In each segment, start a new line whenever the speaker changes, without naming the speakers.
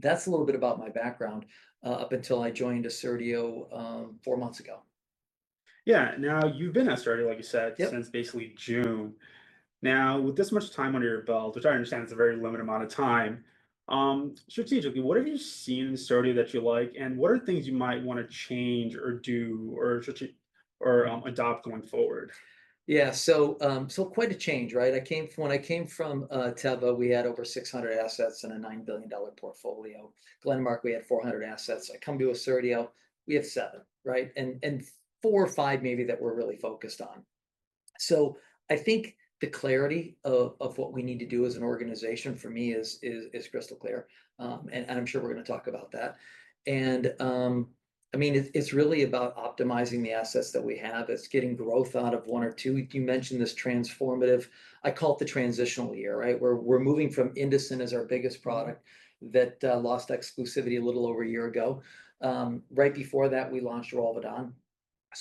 That's a little bit about my background, up until I joined Assertio, four months ago. Yeah. Now, you've been at Assertio, like you said- Yep Since basically June. Now, with this much time under your belt, which I understand is a very limited amount of time, strategically, what have you seen in Assertio that you like, and what are things you might wanna change or do or adopt going forward? Yeah, so quite a change, right? When I came from Teva, we had over 600 assets and a $9 billion portfolio. Glenmark, we had 400 assets. I come to Assertio, we have 7, right? And 4 or 5 maybe that we're really focused on. So I think the clarity of what we need to do as an organization for me is crystal clear, and I'm sure we're gonna talk about that. And I mean, it's really about optimizing the assets that we have. It's getting growth out of 1 or 2. You mentioned this transformative... I call it the transitional year, right? Where we're moving from Indocin as our biggest product that lost exclusivity a little over a year ago. Right before that, we launched Rolvedon.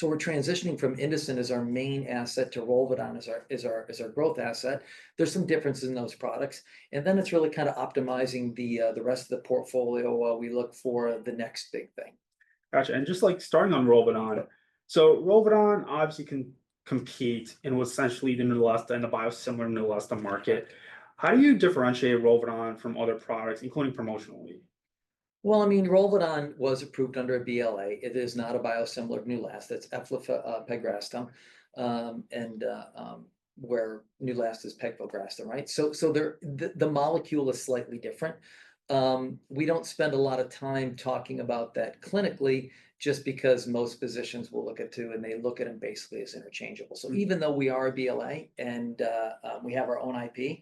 We're transitioning from Indocin as our main asset to Rolvedon as our growth asset. There's some differences in those products, and then it's really kinda optimizing the rest of the portfolio while we look for the next big thing. Gotcha, and just, like, starting on Rolvedon, so Rolvedon obviously can compete and essentially the Neulasta and the biosimilar Neulasta market. How do you differentiate Rolvedon from other products, including promotionally? I mean, Rolvedon was approved under a BLA. It is not a biosimilar Neulasta. It's eflapegrastim, where Neulasta is pegfilgrastim, right? The molecule is slightly different. We don't spend a lot of time talking about that clinically just because most physicians will look at the two, and they look at them basically as interchangeable. Even though we are a BLA and we have our own IP,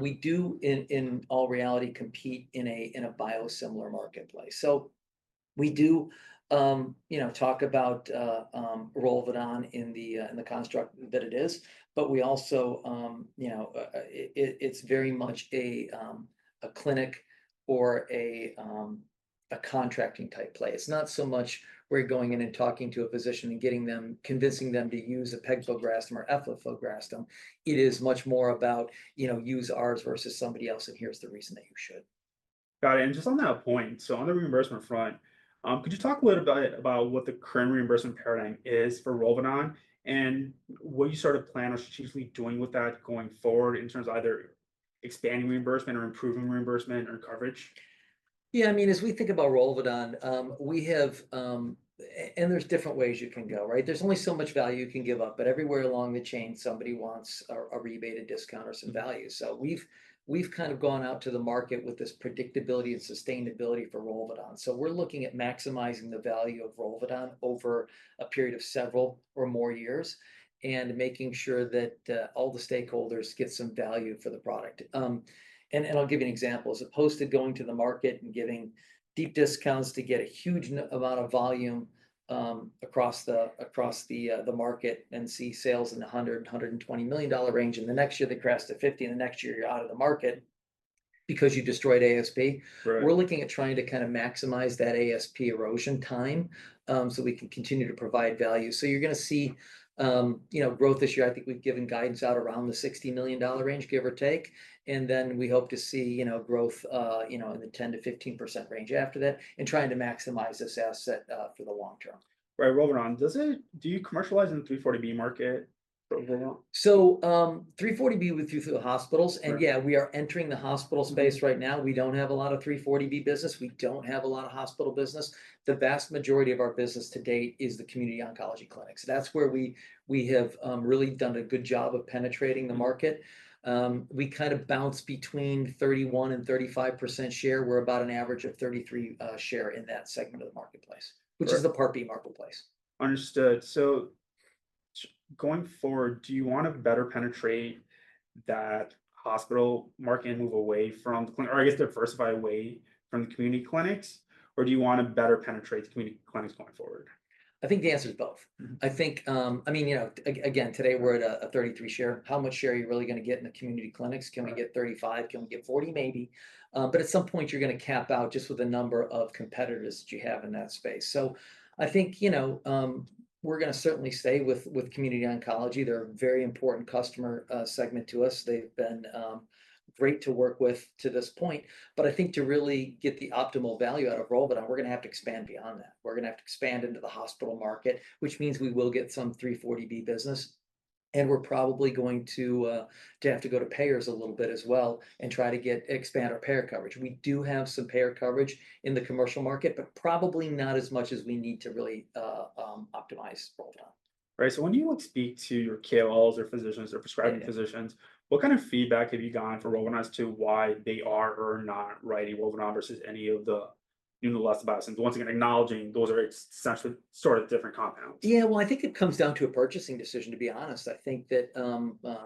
we do, in all reality, compete in a biosimilar marketplace. We do, you know, talk about Rolvedon in the construct that it is, but we also... You know, it, it's very much a clinic or a contracting-type play. It's not so much we're going in and talking to a physician and convincing them to use a pegfilgrastim or eflapegrastim. It is much more about, you know, "Use ours versus somebody else, and here's the reason that you should. Got it, and just on that point, so on the reimbursement front, could you talk a little about what the current reimbursement paradigm is for Rolvedon, and what you sort of plan on strategically doing with that going forward in terms of either expanding reimbursement or improving reimbursement and coverage? Yeah, I mean, as we think about Rolvedon, we have, and there's different ways you can go, right? There's only so much value you can give up, but everywhere along the chain, somebody wants a rebate, a discount, or some value. So we've kind of gone out to the market with this predictability and sustainability for Rolvedon. So we're looking at maximizing the value of Rolvedon over a period of several or more years and making sure that all the stakeholders get some value for the product. And I'll give you an example. As opposed to going to the market and giving deep discounts to get a huge amount of volume across the market and see sales in the $120 million range, and the next year they crash to $50, and the next year you're out of the market because you've destroyed ASP- Right we're looking at trying to kind of maximize that ASP erosion time, so we can continue to provide value. So you're gonna see, you know, growth this year. I think we've given guidance out around the $60 million range, give or take, and then we hope to see, you know, growth in the 10%-15% range after that and trying to maximize this asset for the long term. Right. Rolvedon, do you commercialize in the 340B market for Rolvedon? 340B with few through the hospitals. Right And yeah, we are entering the hospital space right now. We don't have a lot of 340B business. We don't have a lot of hospital business. The vast majority of our business to date is the community oncology clinics. That's where we have really done a good job of penetrating the market. We kind of bounce between 31% and 35% share. We're about an average of 33 share in that segment of the marketplace- Right Which is the Part B marketplace. Understood. Going forward, do you wanna better penetrate that hospital market and move away from the clinic, or I guess diversify away from the community clinics, or do you wanna better penetrate the community clinics going forward? I think the answer is both. Mm-hmm. I think, I mean, you know, again, today we're at a 33 share. How much share are you really gonna get in the community clinics? Right. Can we get 35? Can we get 40? Maybe. But at some point you're gonna cap out just with the number of competitors that you have in that space. So I think, you know, we're gonna certainly stay with community oncology. They're a very important customer segment to us. They've been great to work with to this point, but I think to really get the optimal value out of Rolvedon, we're gonna have to expand beyond that. We're gonna have to expand into the hospital market, which means we will get some 340B business, and we're probably going to have to go to payers a little bit as well and try to expand our payer coverage. We do have some payer coverage in the commercial market, but probably not as much as we need to really optimize Rolvedon. Right, so when you speak to your KOLs or physicians or prescribing- Yeah. Physicians, what kind of feedback have you gotten for Rolvedon as to why they are or are not writing Rolvedon versus any of the, you know, the last biosimilars? Once again, acknowledging those are essentially sort of different compounds. Yeah, well, I think it comes down to a purchasing decision, to be honest. I think that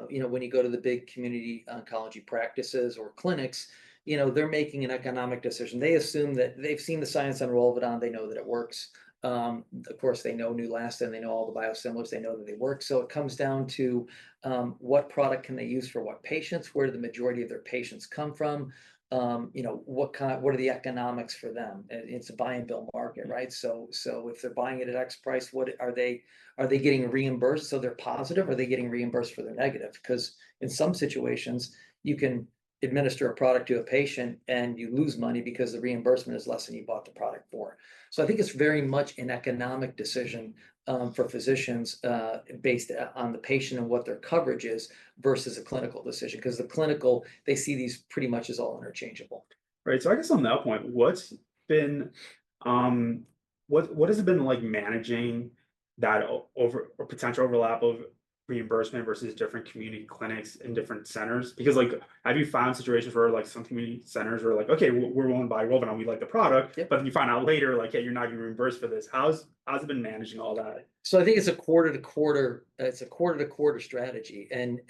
you know, when you go to the big community oncology practices or clinics, you know, they're making an economic decision. They assume that they've seen the science on Rolvedon. They know that it works. Of course, they know Neulasta, and they know all the biosimilars. They know that they work. So it comes down to what product can they use for what patients, where do the majority of their patients come from, you know, what are the economics for them? And it's a buy-and-bill market, right? So if they're buying it at X price, what are they getting reimbursed for, so they're positive, or are they getting reimbursed for their negative? 'Cause in some situations, you can administer a product to a patient, and you lose money because the reimbursement is less than you bought the product for. So I think it's very much an economic decision for physicians, based on the patient and what their coverage is, versus a clinical decision. 'Cause the clinical, they see these pretty much as all interchangeable. Right, so I guess on that point, what's been, what has it been like managing that overlap or potential overlap of reimbursement versus different community clinics in different centers? Because, like, have you found situations where, like, some community centers are like, "Okay, we're going to buy Rolvedon, we like the product"- Yep. But then you find out later, like, yeah, you're not getting reimbursed for this. How's it been managing all that? I think it's a quarter-to-quarter, it's a quarter-to-quarter strategy, and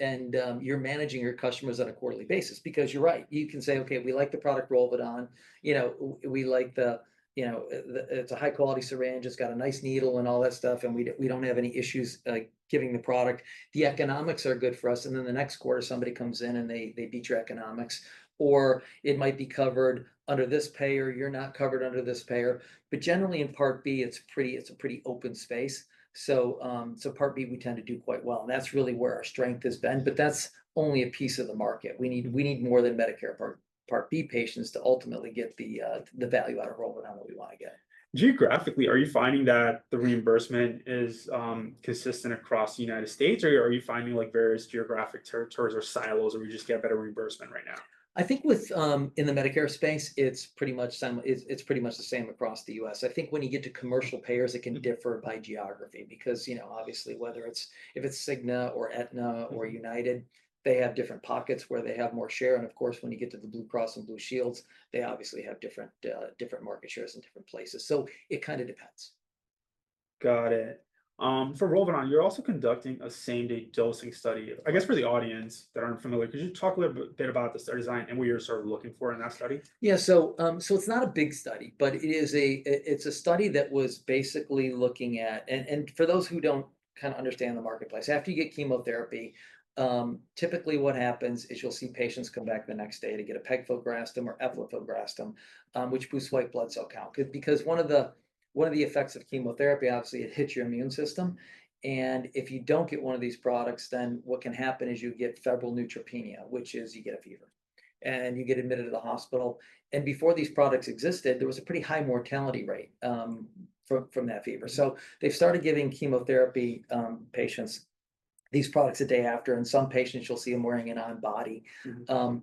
you're managing your customers on a quarterly basis. Because you're right, you can say, "Okay, we like the product Rolvedon. You know, we like the, you know, the. It's a high-quality syringe, it's got a nice needle," and all that stuff, "and we don't have any issues, like, giving the product. The economics are good for us, and then the next quarter, somebody comes in, and they beat your economics, or it might be covered under this payer, you're not covered under this payer, but generally, in Part B, it's pretty. It's a pretty open space. Part B, we tend to do quite well, and that's really where our strength has been, but that's only a piece of the market. We need more than Medicare Part B patients to ultimately get the value out of Rolvedon that we want to get. Geographically, are you finding that the reimbursement is consistent across the United States? Or are you finding, like, various geographic territories or silos where you just get better reimbursement right now? I think with in the Medicare space, it's pretty much the same across the U.S. I think when you get to commercial payers, it can differ by geography. Because, you know, obviously, whether it's, if it's Cigna or Aetna or United, they have different pockets where they have more share. And of course, when you get to the Blue Cross and Blue Shields, they obviously have different market shares in different places. So it kind of depends. Got it. For Rolvedon, you're also conducting a same-day dosing study. I guess, for the audience that aren't familiar, could you talk a little bit about the study design and what you're sort of looking for in that study? Yeah, so it's not a big study, but it is a study that was basically looking at and for those who don't kind of understand the marketplace, after you get chemotherapy, typically what happens is you'll see patients come back the next day to get a pegfilgrastim or eflapegrastim, which boosts white blood cell count because one of the effects of chemotherapy, obviously, it hits your immune system, and if you don't get one of these products, then what can happen is you get febrile neutropenia, which is you get a fever, and you get admitted to the hospital and before these products existed, there was a pretty high mortality rate from that fever so they've started giving chemotherapy patients these products the day after, and some patients, you'll see them wearing it on body. Mm-hmm.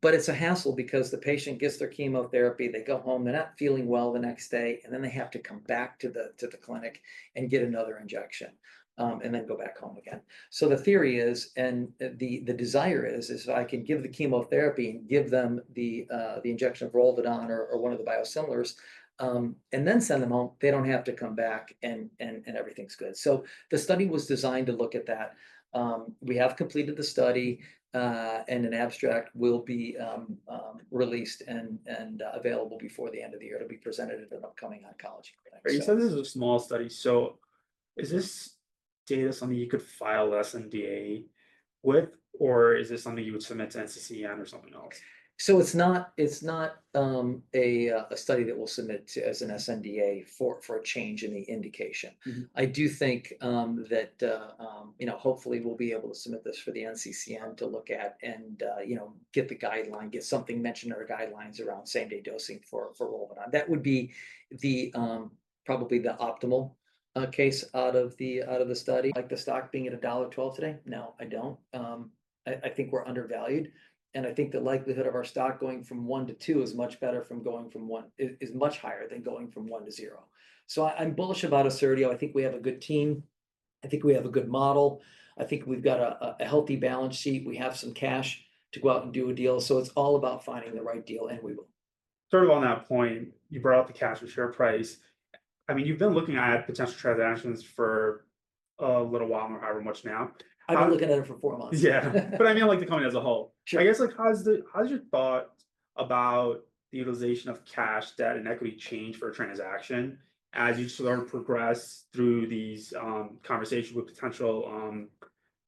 But it's a hassle because the patient gets their chemotherapy, they go home, they're not feeling well the next day, and then they have to come back to the clinic and get another injection, and then go back home again. So the theory is, and the desire is, if I can give the chemotherapy and give them the injection of Rolvedon or one of the biosimilars, and then send them home, they don't have to come back, and everything's good. So the study was designed to look at that. We have completed the study, and an abstract will be released and available before the end of the year to be presented at an upcoming oncology conference. Right, you said this is a small study, so is this data something you could file sNDA with, or is this something you would submit to NCCN or something else? It's not a study that we'll submit to as an sNDA for a change in the indication. Mm-hmm. I do think that, you know, hopefully, we'll be able to submit this for the NCCN to look at and, you know, get the guideline, get something mentioned in our guidelines around same-day dosing for Rolvedon. That would be probably the optimal case out of the study. Like, the stock being at $1.12 today? No, I don't. I think we're undervalued, and I think the likelihood of our stock going from $1 to $2 is much better from going from $1 is much higher than going from $1 to $0. So I'm bullish about Assertio. I think we have a good team. I think we have a good model. I think we've got a healthy balance sheet. We have some cash to go out and do a deal, so it's all about finding the right deal, and we will. Sort of on that point, you brought up the cash and share price. I mean, you've been looking at potential transactions for a little while or however much now. I've been looking at it for four months. Yeah, but I mean, like, the company as a whole. Sure. I guess, like, how's your thought about the utilization of cash, debt, and equity change for a transaction as you sort of progress through these conversations with potential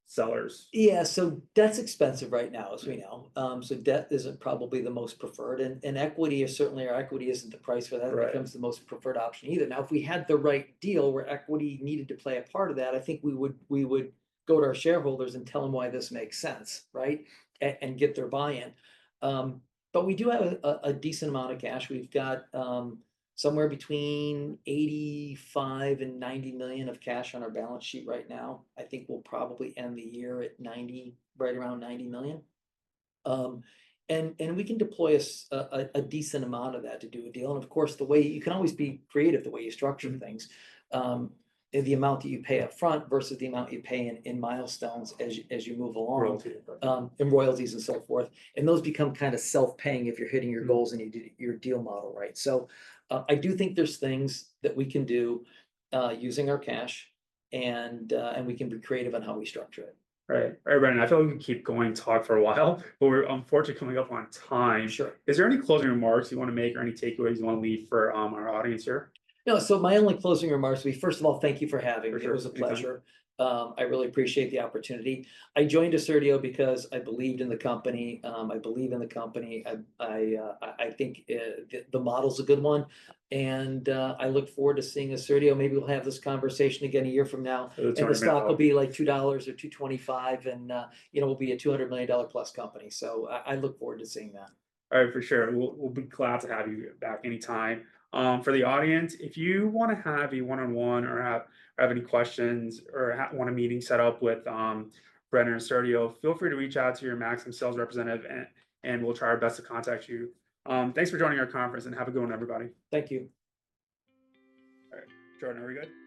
sellers? Yeah, so debt's expensive right now, as we know. Mm-hmm. So, debt isn't probably the most preferred, and equity is certainly, or equity isn't the price for that. Right Becomes the most preferred option either. Now, if we had the right deal where equity needed to play a part of that, I think we would go to our shareholders and tell them why this makes sense, right? And get their buy-in. But we do have a decent amount of cash. We've got somewhere between $85 million and $90 million of cash on our balance sheet right now. I think we'll probably end the year at $90 million, right around $90 million. And we can deploy a decent amount of that to do a deal. And of course, the way you can always be creative the way you structure things, in the amount that you pay up front versus the amount you pay in milestones as you move along. Royalties, right And royalties and so forth, and those become kind of self-paying if you're hitting your goals and you do your deal model right. So, I do think there's things that we can do, using our cash, and we can be creative on how we structure it. Right. All right, Brendan, I feel we can keep going and talk for a while, but we're unfortunately coming up on time. Sure. Is there any closing remarks you want to make or any takeaways you want to leave for, our audience here? No, so my only closing remarks would be, first of all, thank you for having me. For sure. It was a pleasure. I really appreciate the opportunity. I joined Assertio because I believed in the company. I believe in the company. I think the model's a good one, and I look forward to seeing Assertio. Maybe we'll have this conversation again a year from now- At a turnaround point. And the stock will be, like, $2 or $2.25, and, you know, we'll be a $200 million+ company, so I look forward to seeing that. All right, for sure. We'll be glad to have you back anytime. For the audience, if you want to have a one-on-one or have any questions or want a meeting set up with Brendan or Assertio, feel free to reach out to your Maxim sales representative, and we'll try our best to contact you. Thanks for joining our conference, and have a good one, everybody. Thank you. Jordan, are we good?